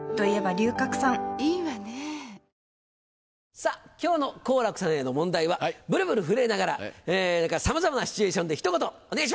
さぁ今日の好楽さんへの問題はブルブル震えながらさまざまなシチュエーションでひと言お願いします！